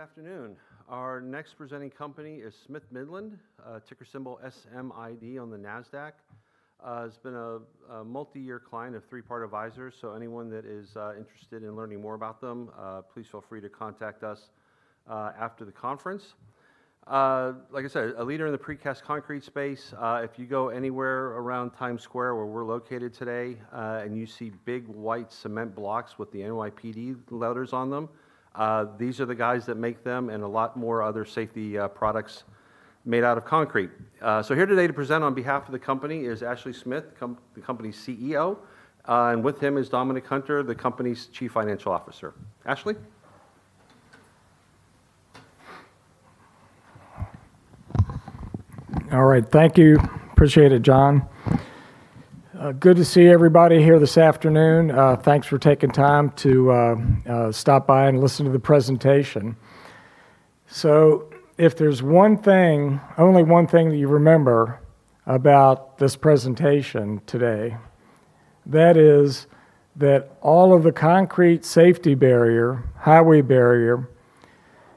Good afternoon. Our next presenting company is Smith-Midland, ticker symbol SMID on the NASDAQ. It's been a multi-year client of Three Part Advisors, anyone that is interested in learning more about them, please feel free to contact us after the conference. Like I said, a leader in the precast concrete space. If you go anywhere around Times Square, where we're located today, and you see big white cement blocks with the NYPD letters on them, these are the guys that make them, and a lot more other safety products made out of concrete. Here today to present on behalf of the company is Ashley Smith, the company's CEO. With him is Dominic Hunter, the company's Chief Financial Officer. Ashley? All right. Thank you. Appreciate it, John. Good to see everybody here this afternoon. Thanks for taking time to stop by and listen to the presentation. If there's only one thing that you remember about this presentation today, that is that all of the concrete safety barrier, highway barrier,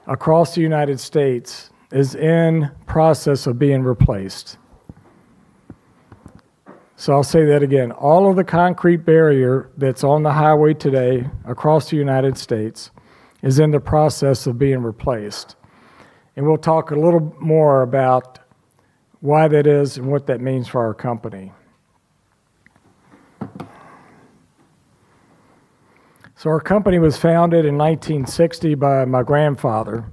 across the U.S. is in process of being replaced. I'll say that again. All of the concrete barrier that's on the highway today across the U.S. is in the process of being replaced. We'll talk a little more about why that is and what that means for our company. Our company was founded in 1960 by my grandfather,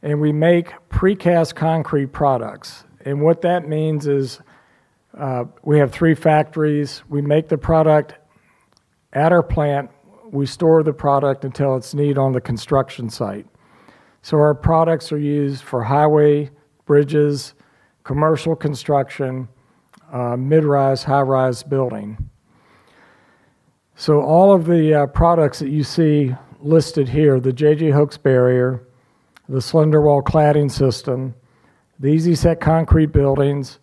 and we make precast concrete products. What that means is, we have three factories. We make the product at our plant. We store the product until it's needed on the construction site. Our products are used for highway, bridges, commercial construction, mid-rise, high-rise building. All of the products that you see listed here, the J-J Hooks Barrier, the SlenderWall Cladding System, the Easi-Set Concrete Buildings,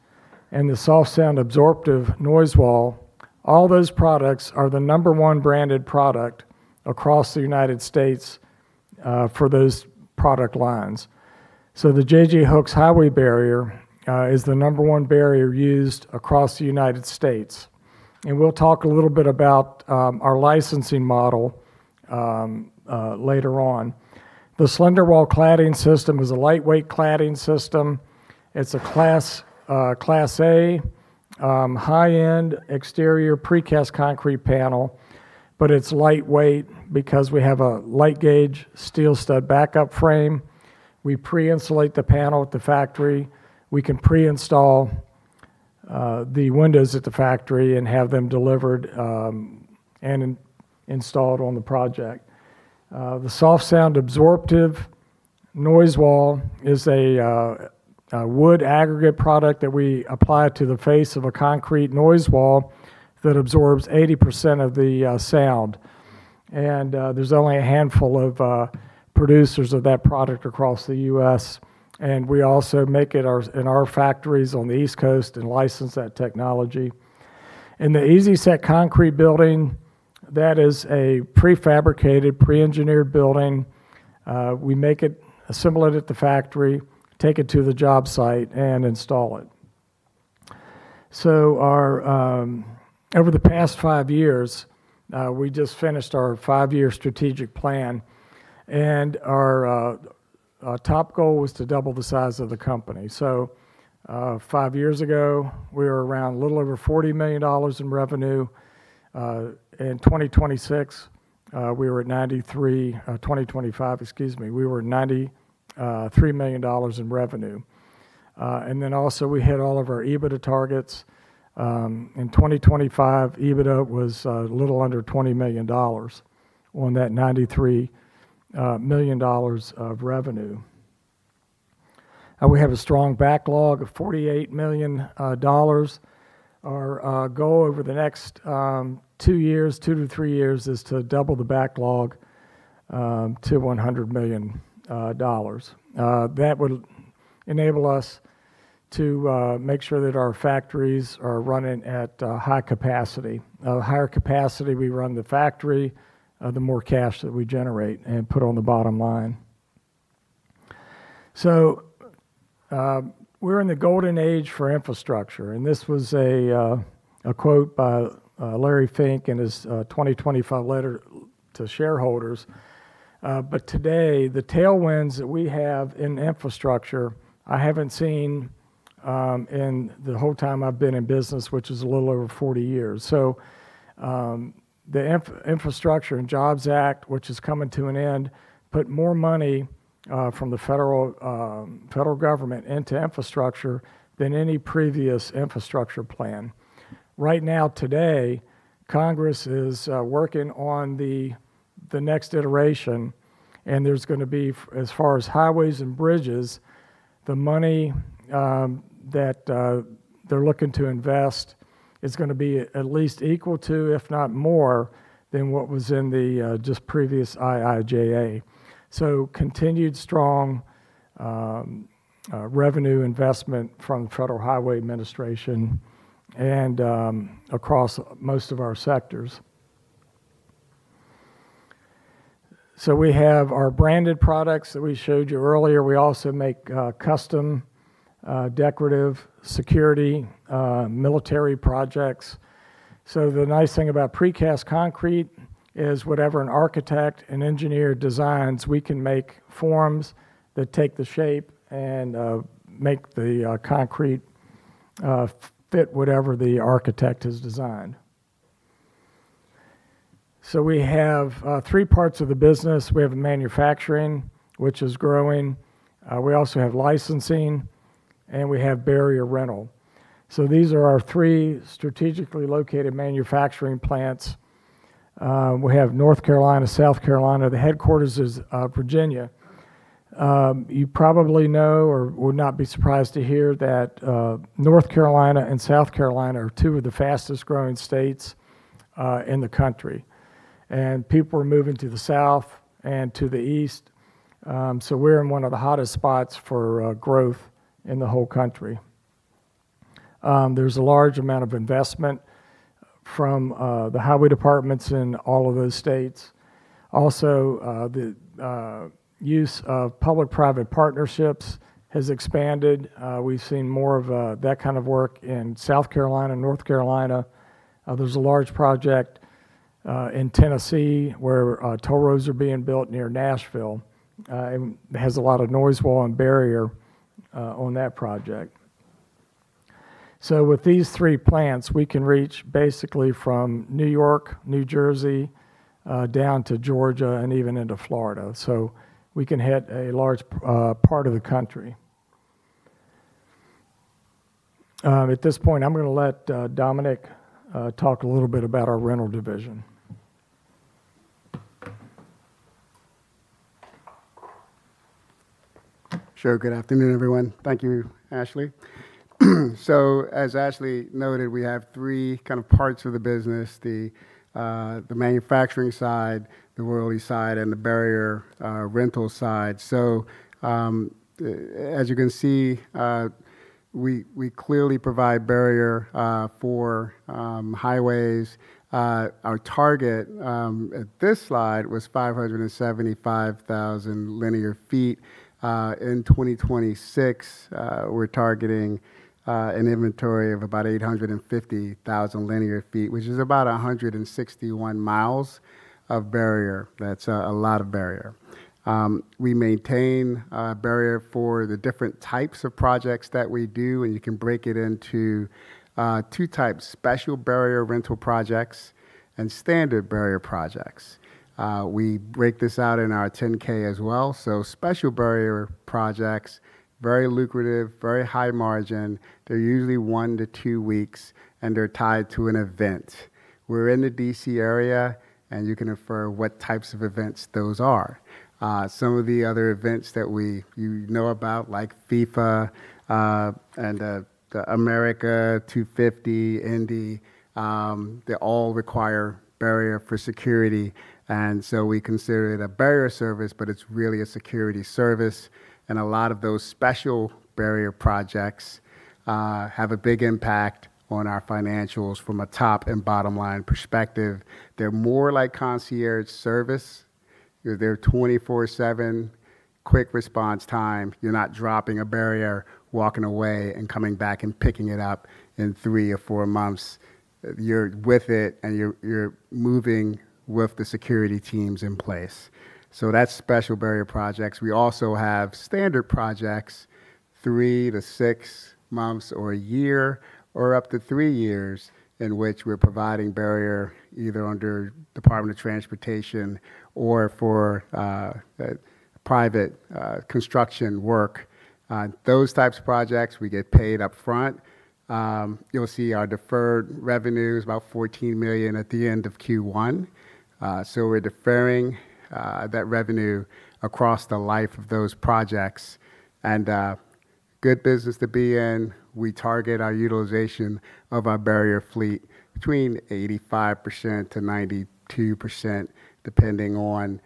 and the SoftSound Absorptive Noise Wall, all those products are the number one branded product across the U.S. for those product lines. The J-J Hooks Highway Barrier is the number one barrier used across the U.S. We'll talk a little bit about our licensing model later on. The SlenderWall Cladding System is a lightweight cladding system. It's a Class A high-end exterior precast concrete panel, but it's lightweight because we have a light gauge steel stud backup frame. We pre-insulate the panel at the factory. We can pre-install the windows at the factory and have them delivered and installed on the project. The SoftSound Absorptive Noise Wall is a wood aggregate product that we apply to the face of a concrete noise wall that absorbs 80% of the sound. There's only a handful of producers of that product across the U.S., and we also make it in our factories on the East Coast and license that technology. The Easi-Set Concrete Building, that is a prefabricated, pre-engineered building. We make it, assemble it at the factory, take it to the job site, and install it. Over the past five years, we just finished our five-year strategic plan, and our top goal was to double the size of the company. Five years ago, we were around a little over $40 million in revenue. In 2025, we were at $93 million in revenue. Then also, we hit all of our EBITDA targets. In 2025, EBITDA was a little under $20 million on that $93 million of revenue. We have a strong backlog of $48 million. Our goal over the next two - three years is to double the backlog to $100 million. That would enable us to make sure that our factories are running at a high capacity. The higher capacity we run the factory, the more cash that we generate and put on the bottom line. We're in the golden age for infrastructure, and this was a quote by Larry Fink in his 2025 letter to shareholders. Today, the tailwinds that we have in infrastructure, I haven't seen in the whole time I've been in business, which is a little over 40 years. The Infrastructure and Jobs Act, which is coming to an end, put more money from the federal government into infrastructure than any previous infrastructure plan. Right now, today, Congress is working on the next iteration, and there's going to be, as far as highways and bridges, the money that they're looking to invest is going to be at least equal to, if not more, than what was in the just previous IIJA. Continued strong revenue investment from Federal Highway Administration and across most of our sectors. We have our branded products that we showed you earlier. We also make custom decorative security military projects. The nice thing about precast concrete is whatever an architect, an engineer designs, we can make forms that take the shape and make the concrete fit whatever the architect has designed. We have three parts of the business. We have manufacturing, which is growing. We also have licensing, and we have barrier rental. These are our three strategically located manufacturing plants. We have North Carolina, South Carolina. The headquarters is Virginia. You probably know or would not be surprised to hear that North Carolina and South Carolina are two of the fastest growing states in the country. People are moving to the South and to the East, so we're in one of the hottest spots for growth in the whole country. There's a large amount of investment from the highway departments in all of those states. Also, the use of public-private partnerships has expanded. We've seen more of that kind of work in South Carolina, North Carolina. There's a large project in Tennessee where toll roads are being built near Nashville. It has a lot of noise wall and barrier on that project. With these three plants, we can reach basically from New York, New Jersey, down to Georgia and even into Florida. We can hit a large part of the country. At this point, I'm going to let Dominic talk a little bit about our rental division. Sure. Good afternoon, everyone. Thank you, Ashley. As Ashley noted, we have three parts of the business, the manufacturing side, the royalty side, and the barrier rental side. As you can see, we clearly provide barrier for highways. Our target at this slide was 575,000 linear feet. In 2026, we're targeting an inventory of about 850,000 linear feet, which is about 161 miles of barrier. That's a lot of barrier. We maintain a barrier for the different types of projects that we do, and you can break it into two types: special barrier rental projects and standard barrier projects. We break this out in our 10-K as well. Special barrier projects, very lucrative, very high margin. They're usually one to two weeks, and they're tied to an event. We're in the D.C. area, and you can infer what types of events those are. Some of the other events that you know about, like FIFA, and the Freedom 250 Grand Prix, they all require barrier for security, and we consider it a barrier service, but it's really a security service. A lot of those special barrier projects have a big impact on our financials from a top and bottom line perspective. They're more like concierge service. You're there 24/7, quick response time. You're not dropping a barrier, walking away and coming back and picking it up in three or four months. You're with it and you're moving with the security teams in place. That's special barrier projects. We also have standard projects, three - six months or a year, or up to three years in which we're providing barrier either under Department of Transportation or for private construction work. Those types of projects we get paid up front. You'll see our deferred revenue is about $14 million at the end of Q1. We're deferring that revenue across the life of those projects. A good business to be in. We target our utilization of our barrier fleet between 85%-92%, depending on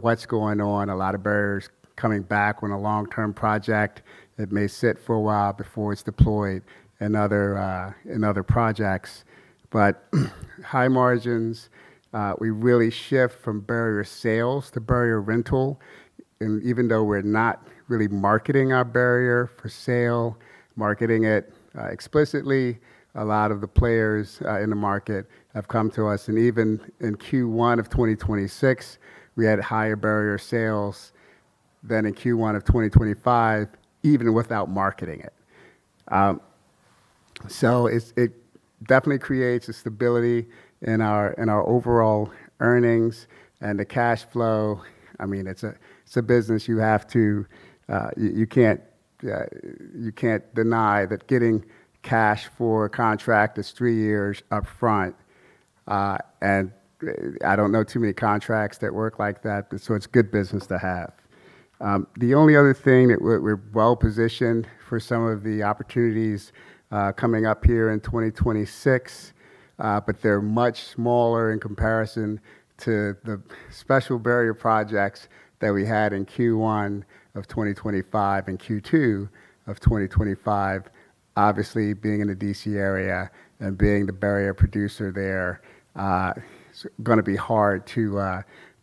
what's going on. A lot of barriers coming back on a long-term project that may sit for a while before it's deployed in other projects. High margins, we really shift from barrier sales to barrier rental. Even though we're not really marketing our barrier for sale, marketing it explicitly, a lot of the players in the market have come to us. Even in Q1 of 2026, we had higher barrier sales than in Q1 of 2025, even without marketing it. It definitely creates a stability in our overall earnings and the cash flow. It's a business you can't deny that getting cash for a contract that's three years up front, I don't know too many contracts that work like that, it's good business to have. The only other thing that we're well-positioned for some of the opportunities coming up here in 2026, but they're much smaller in comparison to the special barrier projects that we had in Q1 of 2025 and Q2 of 2025. Obviously, being in the D.C. area and being the barrier producer there, it's going to be hard to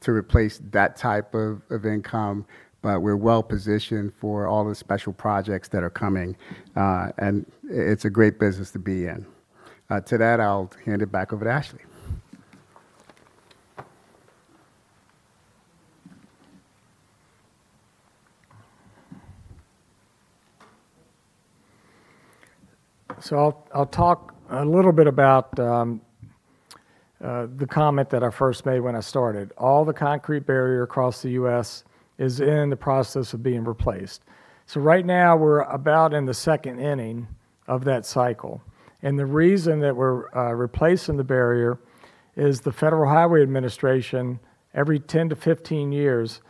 replace that type of income. We're well-positioned for all the special projects that are coming, and it's a great business to be in. To that, I'll hand it back over to Ashley. I'll talk a little bit about the comment that I first made when I started. All the concrete barrier across the U.S. is in the process of being replaced. Right now, we're about in the second inning of that cycle. The reason that we're replacing the barrier is the Federal Highway Administration, every 10 - 15 years,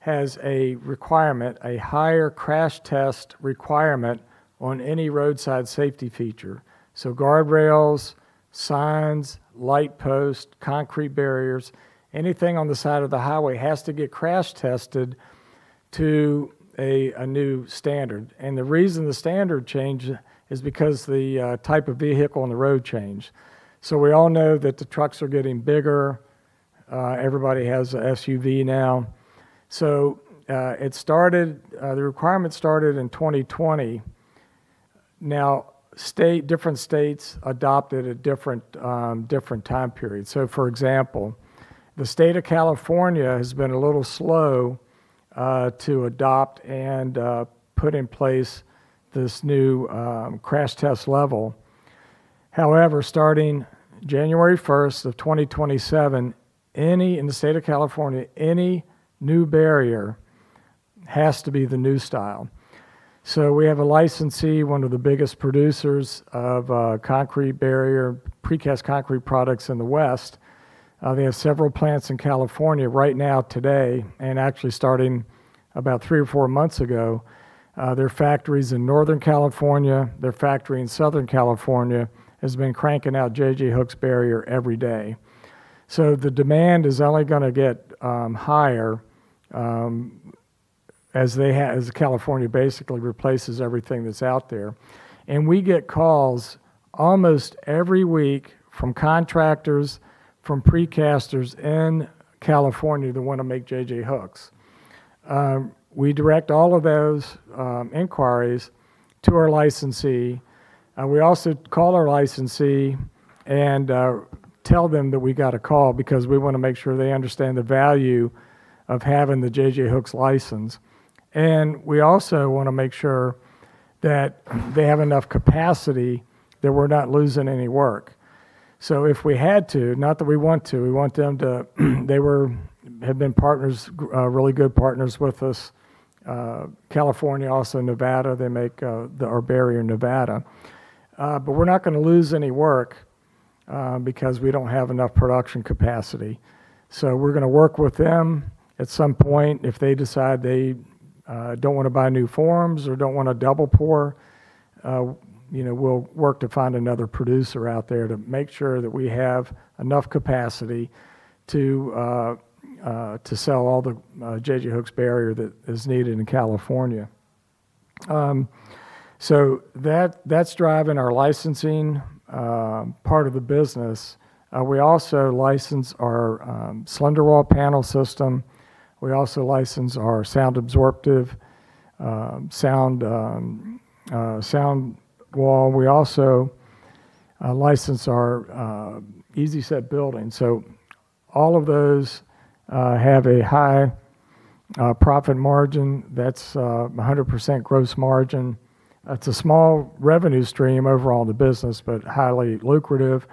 has a requirement, a higher crash test requirement, on any roadside safety feature. Guardrails, signs, light posts, concrete barriers, anything on the side of the highway has to get crash tested to a new standard. The reason the standard changed is because the type of vehicle on the road changed. We all know that the trucks are getting bigger. Everybody has an SUV now. The requirement started in 2020. Different states adopted at different time periods. For example, the state of California has been a little slow to adopt and put in place this new crash test level. However, starting January 1st of 2027, in the state of California, any new barrier has to be the new style. We have a licensee, one of the biggest producers of concrete barrier, precast concrete products in the West. They have several plants in California right now, today, and actually starting about three or four months ago, their factories in Northern California, their factory in Southern California, has been cranking out J-J Hooks Barrier every day. The demand is only going to get higher as California basically replaces everything that's out there. We get calls almost every week from contractors, from pre-casters in California that want to make J-J Hooks. We direct all of those inquiries to our licensee. We also call our licensee and tell them that we got a call because we want to make sure they understand the value of having the J-J Hooks license. We also want to make sure that they have enough capacity that we're not losing any work. If we had to, not that we want to, we want them to they have been really good partners with us. California, also Nevada, they make our barrier in Nevada. We're not going to lose any work, because we don't have enough production capacity. We're going to work with them. At some point, if they decide they don't want to buy new forms or don't want to double pour, we'll work to find another producer out there to make sure that we have enough capacity to sell all the J-J Hooks Barrier that is needed in California. That's driving our licensing part of the business. We also license our SlenderWall panel system. We also license our SoftSound Absorptive Noise Wall. We also license our Easi-Set building. All of those have a high profit margin. That's 100% gross margin. That's a small revenue stream over all the business, but highly lucrative,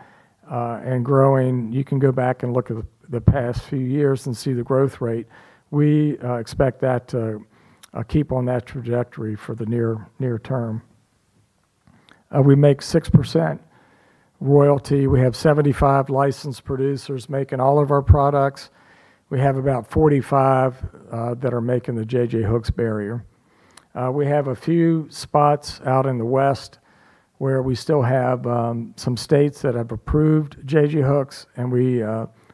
and growing. You can go back and look at the past few years and see the growth rate. We expect that to keep on that trajectory for the near term. We make six percent royalty. We have 75 licensed producers making all of our products. We have about 45 that are making the J-J Hooks Barrier. We have a few spots out in the West where we still have some states that have approved J-J Hooks, and we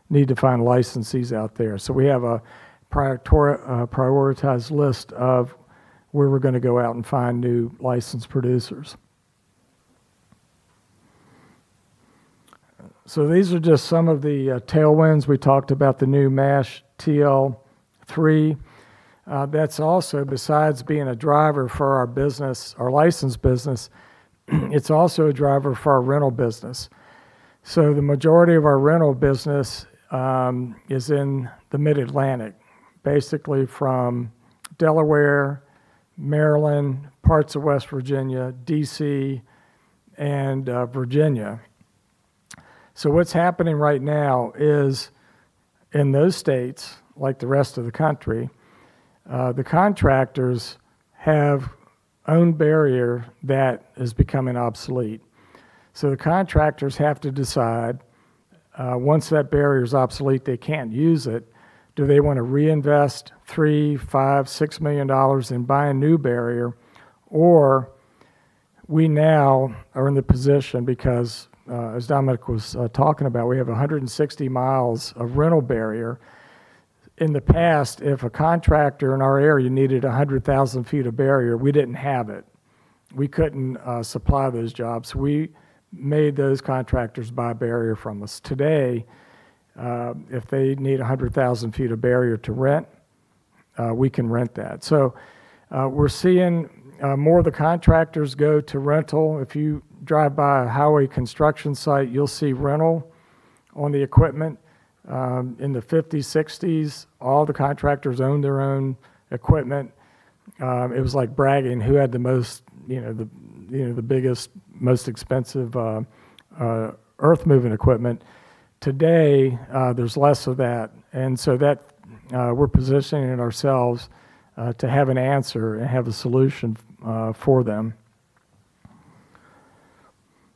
need to find licensees out there. We have a prioritized list of where we are going to go out and find new licensed producers. These are just some of the tailwinds. We talked about the new MASH TL-three. That is also, besides being a driver for our business, our licensed business, it is also a driver for our rental business. The majority of our rental business is in the Mid-Atlantic, basically from Delaware, Maryland, parts of West Virginia, D.C., and Virginia. What is happening right now is in those states, like the rest of the country, the contractors have own barrier that is becoming obsolete. The contractors have to decide, once that barrier is obsolete, they cannot use it. Do they want to reinvest three, five, $6 million and buy a new barrier? Or we now are in the position because, as Dominic was talking about, we have 160 miles of rental barrier. In the past, if a contractor in our area needed 100,000 feet of barrier, we did not have it. We could not supply those jobs. We made those contractors buy barrier from us. Today, if they need 100,000 feet of barrier to rent, we can rent that. We are seeing more of the contractors go to rental. If you drive by a highway construction site, you will see rental on the equipment. In the 1950s, 1960s, all the contractors owned their own equipment. It was like bragging who had the biggest, most expensive earth-moving equipment. Today, there is less of that. We are positioning ourselves to have an answer and have a solution for them.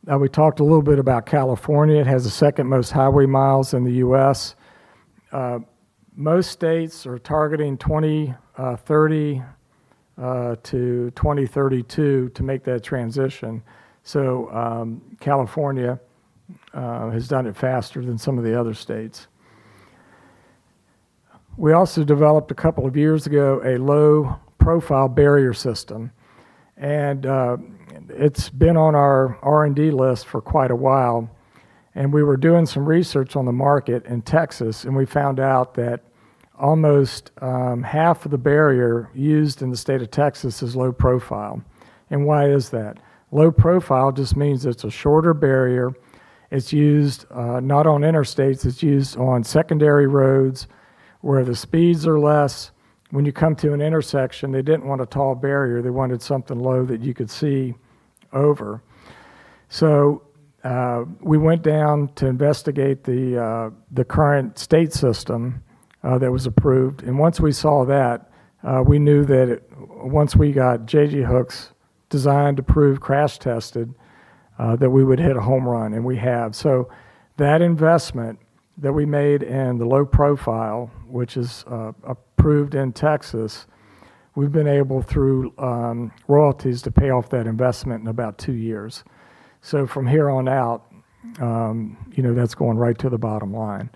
Now, we talked a little bit about California. It has the second most highway miles in the U.S. Most states are targeting 2030-2032 to make that transition. California has done it faster than some of the other states. We also developed a couple of years ago a low-profile barrier system, and it has been on our R&D list for quite a while. We were doing some research on the market in Texas, and we found out that almost half of the barrier used in the state of Texas is low profile. Why is that? Low profile just means it is a shorter barrier. It is used not on interstates. It is used on secondary roads where the speeds are less. When you come to an intersection, they did not want a tall barrier. They wanted something low that you could see over. We went down to investigate the current state system that was approved, and once we saw that, we knew that once we got J-J Hooks design-approved, crash tested, that we would hit a home run, and we have. That investment that we made in the low profile, which is approved in Texas, we have been able, through royalties, to pay off that investment in about two years. From here on out, that is going right to the bottom line.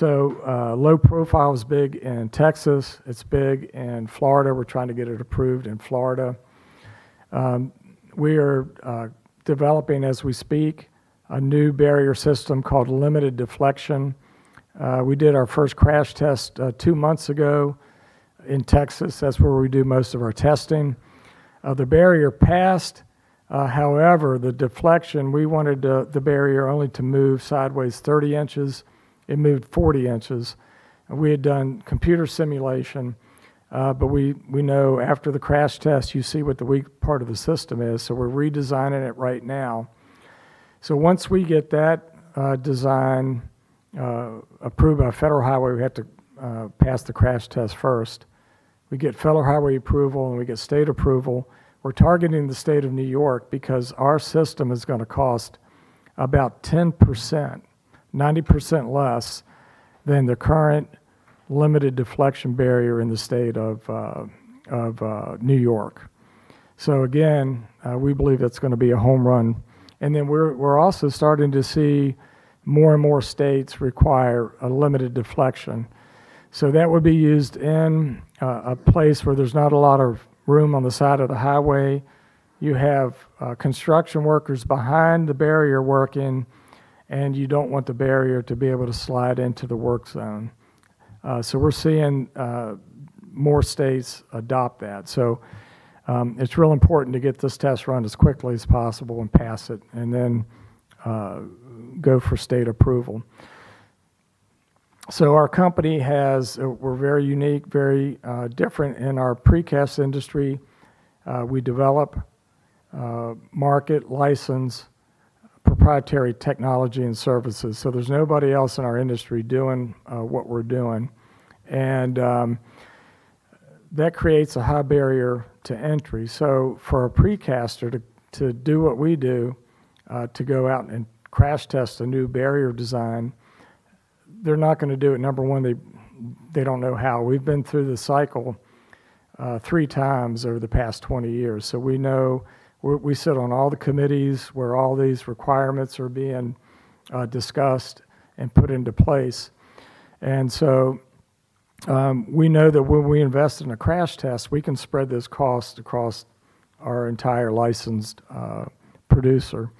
Low profile is big in Texas. It is big in Florida. We are trying to get it approved in Florida. We are developing, as we speak, a new barrier system called limited deflection. We did our first crash test two months ago in Texas. That is where we do most of our testing. The barrier passed. However, the deflection, we wanted the barrier only to move sideways 30 inches. It moved 40 inches. We had done computer simulation, but we know after the crash test, you see what the weak part of the system is. We're redesigning it right now. Once we get that design approved by Federal Highway, we have to pass the crash test first. We get Federal Highway approval, and we get state approval. We're targeting the state of N.Y. because our system is going to cost about 10%, 90% less than the current limited deflection barrier in the state of N.Y. Again, we believe it's going to be a home run. We're also starting to see more and more states require a limited deflection. That would be used in a place where there's not a lot of room on the side of the highway. You have construction workers behind the barrier working. You don't want the barrier to be able to slide into the work zone. We're seeing more states adopt that. It's real important to get this test run as quickly as possible and pass it, then go for state approval. Our company, we're very unique, very different in our precast industry. We develop, market, license proprietary technology and services. There's nobody else in our industry doing what we're doing. That creates a high barrier to entry. For a precaster to do what we do, to go out and crash test a new barrier design, they're not going to do it. Number one, they don't know how. We've been through the cycle three times over the past 20 years. We sit on all the committees where all these requirements are being discussed and put into place. We know that when we invest in a crash test, we can spread this cost across our entire licensed producer.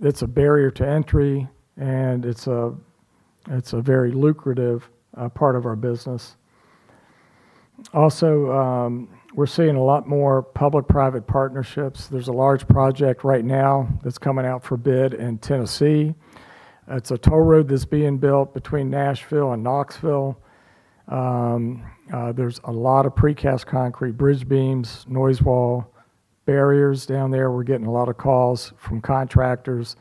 It's a barrier to entry, it's a very lucrative part of our business. Also, we're seeing a lot more public-private partnerships. There's a large project right now that's coming out for bid in Tennessee. It's a toll road that's being built between Nashville and Knoxville. There's a lot of precast concrete bridge beams, noise wall barriers down there. We're getting a lot of calls from contractors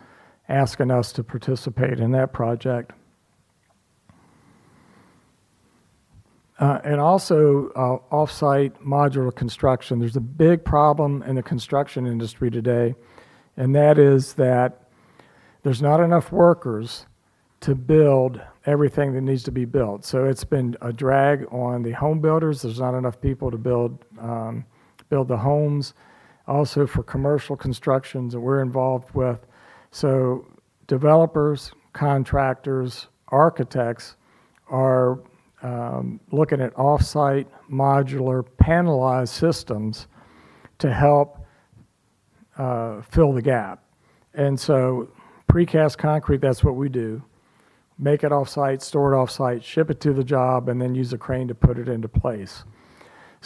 asking us to participate in that project. Also off-site modular construction. There's a big problem in the construction industry today. There's not enough workers to build everything that needs to be built. It's been a drag on the home builders. There's not enough people to build the homes. Also, for commercial constructions that we're involved with. Developers, contractors, architects are looking at off-site modular panelized systems to help fill the gap. Precast concrete, that's what we do, make it off-site, store it off-site, ship it to the job, then use a crane to put it into place.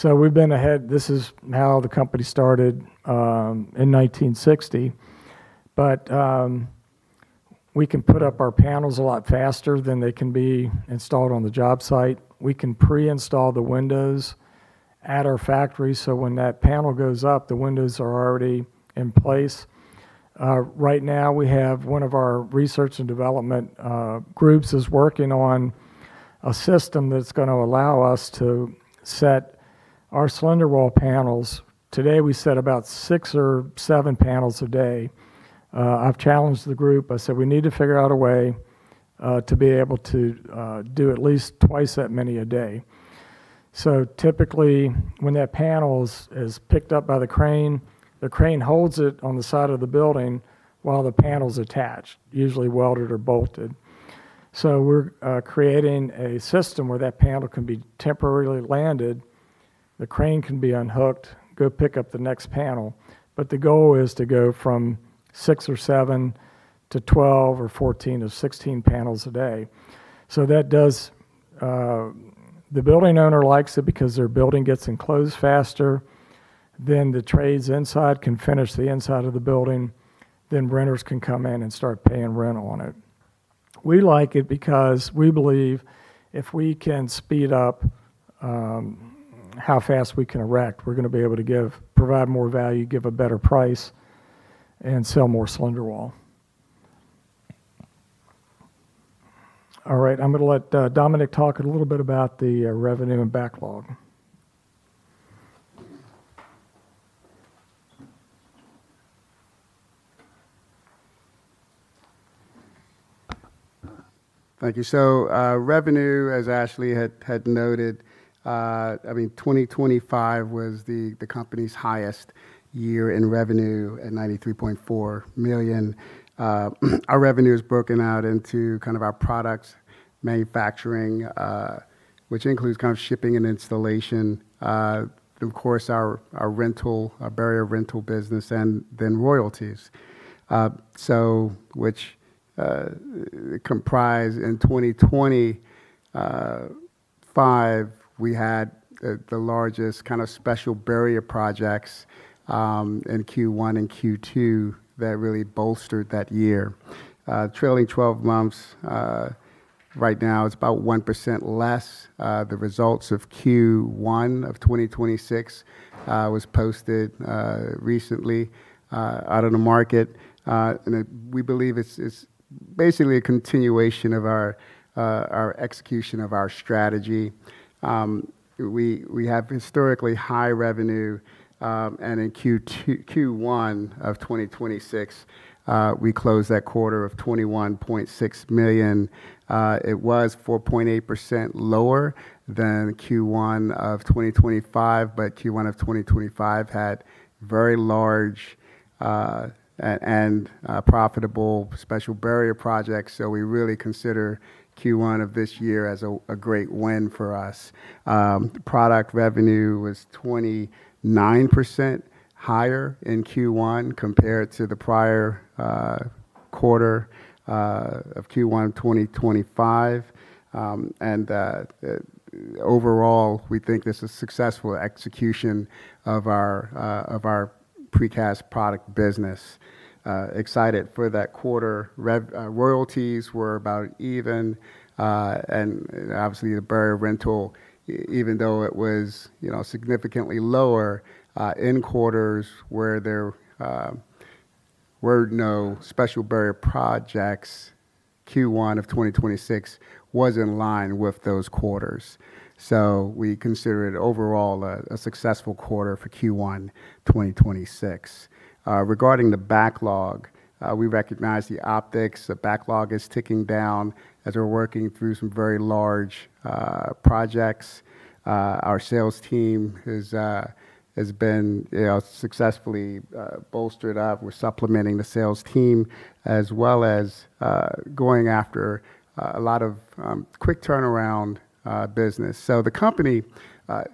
We've been ahead. This is how the company started in 1960. We can put up our panels a lot faster than they can be installed on the job site. We can pre-install the windows at our factory, so when that panel goes up, the windows are already in place. Right now, we have one of our research and development groups is working on a system that's going to allow us to set our SlenderWall panels. Today, we set about six or seven panels a day. I've challenged the group. I said we need to figure out a way to be able to do at least twice that many a day. Typically, when that panel's picked up by the crane, the crane holds it on the side of the building while the panel's attached, usually welded or bolted. We're creating a system where that panel can be temporarily landed. The crane can be unhooked, go pick up the next panel. The goal is to go from six or seven to 12 or 14 or 16 panels a day. The building owner likes it because their building gets enclosed faster. The trades inside can finish the inside of the building. Renters can come in and start paying rent on it. We like it because we believe if we can speed up how fast we can erect, we're going to be able to provide more value, give a better price, and sell more SlenderWall. All right. I'm going to let Dominic talk a little bit about the revenue and backlog. Thank you. Revenue, as Ashley had noted, 2025 was the company's highest year in revenue at $93.4 million. Our revenue is broken out into our products, manufacturing, which includes shipping and installation, of course, our barrier rental business, and then royalties. Which comprise in 2025, we had the largest special barrier projects in Q1 and Q2 that really bolstered that year. Trailing 12 months, right now it's about one percent less. The results of Q1 of 2026 was posted recently out on the market. We believe it's basically a continuation of our execution of our strategy. We have historically high revenue, and in Q1 of 2026, we closed that quarter of $21.6 million. It was 4.8% lower than Q1 of 2025, but Q1 of 2025 had very large and profitable special barrier projects. We really consider Q1 of this year as a great win for us. Product revenue was 29% higher in Q1 compared to the prior quarter of Q1 2025. Overall, we think this is successful execution of our precast product business. Excited for that quarter. Royalties were about even, and obviously the barrier rental, even though it was significantly lower in quarters where there were no special barrier projects, Q1 of 2026 was in line with those quarters. We consider it overall a successful quarter for Q1 2026. Regarding the backlog, we recognize the optics. The backlog is ticking down as we're working through some very large projects. Our sales team has been successfully bolstered up. We're supplementing the sales team as well as going after a lot of quick turnaround business. The company,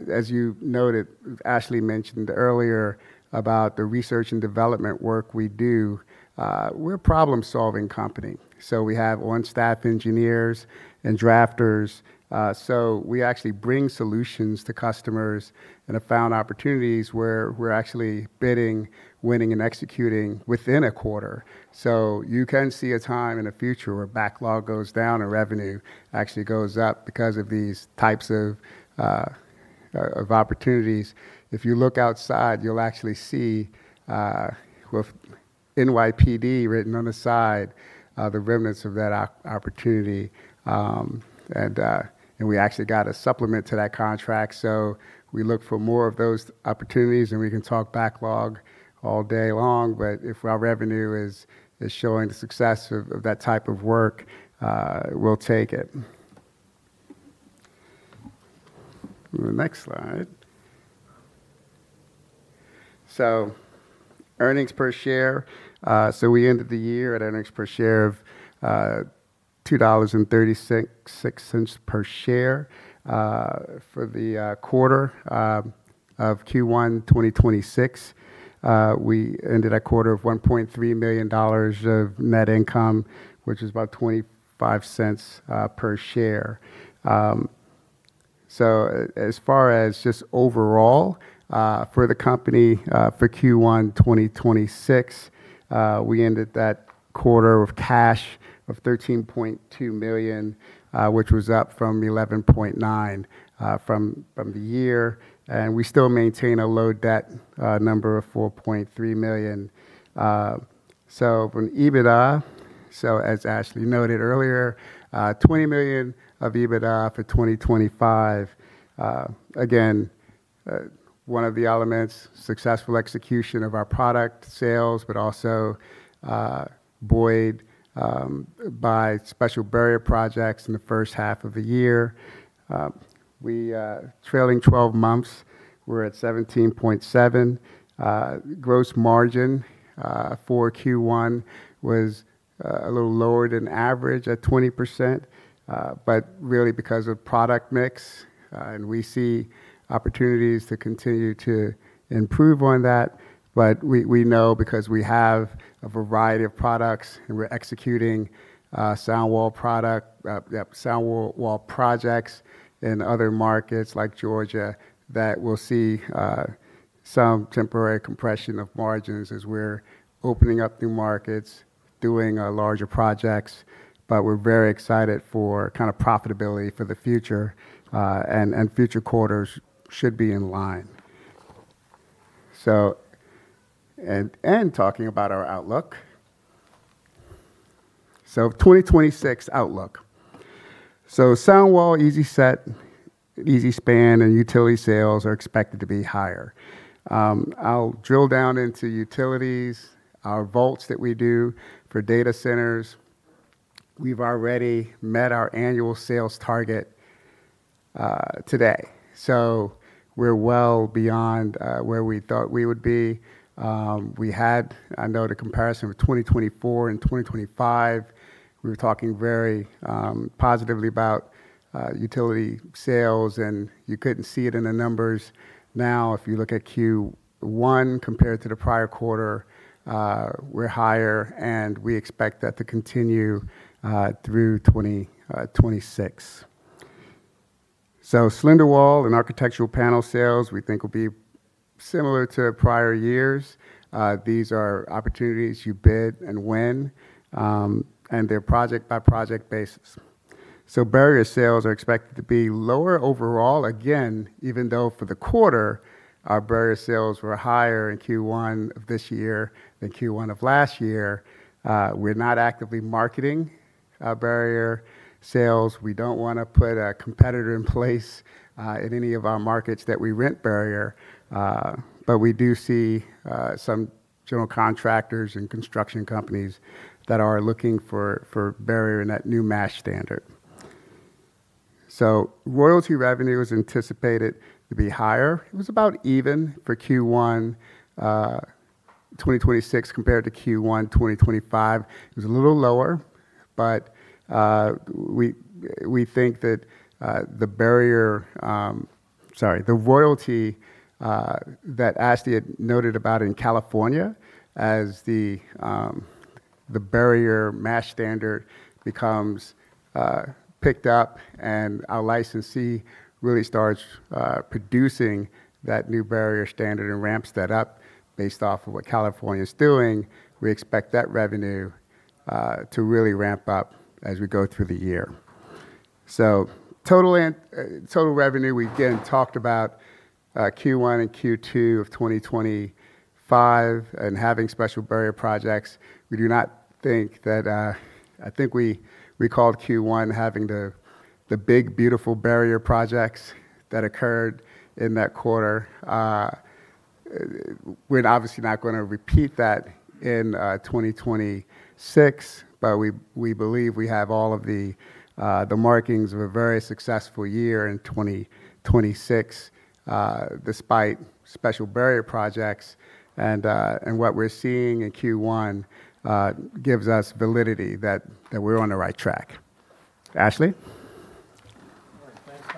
as you noted, Ashley mentioned earlier about the research and development work we do. We're a problem-solving company. We have on-staff engineers and drafters. we actually bring solutions to customers and have found opportunities where we're actually bidding, winning, and executing within a quarter. you can see a time in the future where backlog goes down or revenue actually goes up because of these types of opportunities. If you look outside, you'll actually see NYPD written on the side, the remnants of that opportunity. we actually got a supplement to that contract. we look for more of those opportunities, and we can talk backlog all day long, but if our revenue is showing the success of that type of work, we'll take it. The next slide. earnings per share. we ended the year at earnings per share of $2.36 per share. For the quarter of Q1 2026, we ended at a quarter of $1.3 million of net income, which is about $0.25 per share. as far as just overall for the company, for Q1 2026, we ended that quarter with cash of $13.2 million, which was up from $11.9 million from the year. we still maintain a low debt number of $4.3 million. from EBITDA, as Ashley noted earlier, $20 million of EBITDA for 2025. Again, one of the elements, successful execution of our product sales, but also buoyed by special barrier projects in the first half of the year. Trailing 12 months, we're at $17.7 million. Gross margin for Q1 was a little lower than average at 20%, but really because of product mix, and we see opportunities to continue to improve on that. we know because we have a variety of products and we're executing SoftSound projects in other markets like Georgia, that we'll see some temporary compression of margins as we're opening up new markets, doing larger projects. we're very excited for profitability for the future, and future quarters should be in line. talking about our outlook. 2026 outlook. SoftSound, Easi-Set, Easi-Span, and utility sales are expected to be higher. I'll drill down into utilities, our vaults that we do for data centers. We've already met our annual sales target today, so we're well beyond where we thought we would be. We had, I know the comparison with 2024 and 2025, we were talking very positively about utility sales, and you couldn't see it in the numbers. If you look at Q1 compared to the prior quarter, we're higher, and we expect that to continue through 2026. SlenderWall and architectural panel sales we think will be similar to prior years. These are opportunities you bid and win, and they're project by project basis. barrier sales are expected to be lower overall again, even though for the quarter, our barrier sales were higher in Q1 of this year than Q1 of last year. We're not actively marketing our barrier sales. We don't want to put a competitor in place in any of our markets that we rent barrier. we do see some general contractors and construction companies that are looking for barrier in that new MASH standard. royalty revenue is anticipated to be higher. It was about even for Q1 2026 compared to Q1 2025. It was a little lower. We think that the barrier. Sorry, the royalty that Ashley had noted about in California as the barrier MASH standard becomes picked up and our licensee really starts producing that new barrier standard and ramps that up based off of what California's doing, we expect that revenue to really ramp up as we go through the year. Total revenue, we again talked about Q1 and Q2 of 2025 and having special barrier projects. I think we recalled Q1 having the big beautiful barrier projects that occurred in that quarter. We're obviously not going to repeat that in 2026, but we believe we have all of the markings of a very successful year in 2026, despite special barrier projects. What we're seeing in Q1 gives us validity that we're on the right track. Ashley? All right. Thanks,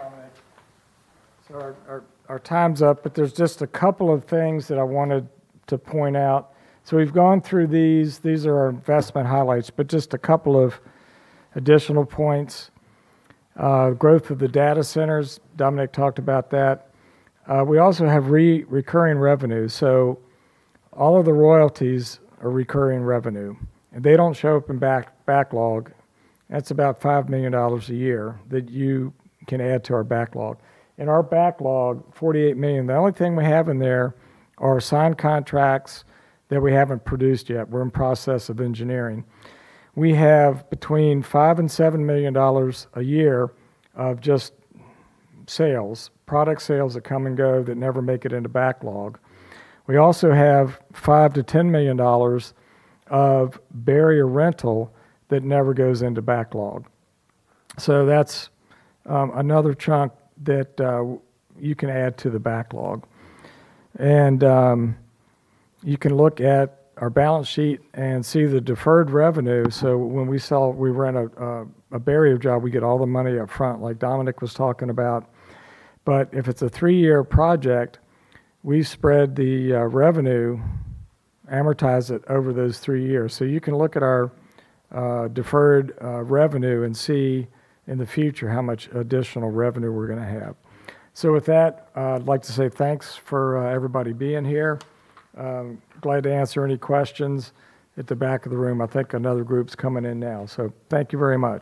Dominic. Our time's up, but there's just a couple of things that I wanted to point out. We've gone through these. These are our investment highlights, but just a couple of additional points. Growth of the data centers, Dominic talked about that. We also have recurring revenue. All of the royalties are recurring revenue, and they don't show up in backlog. That's about $5 million a year that you can add to our backlog. In our backlog, $48 million, the only thing we have in there are signed contracts that we haven't produced yet. We're in process of engineering. We have between $5 million and $7 million a year of just sales, product sales that come and go that never make it into backlog. We also have $5 million - $10 million of barrier rental that never goes into backlog. That's another chunk that you can add to the backlog. You can look at our balance sheet and see the deferred revenue. When we rent a barrier job, we get all the money up front, like Dominic was talking about. If it's a three-year project, we spread the revenue, amortize it over those three years. You can look at our deferred revenue and see in the future how much additional revenue we're going to have. With that, I'd like to say thanks for everybody being here. Glad to answer any questions at the back of the room. I think another group's coming in now. Thank you very much.